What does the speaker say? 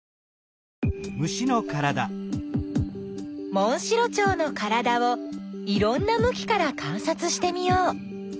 モンシロチョウのからだをいろんなむきからかんさつしてみよう。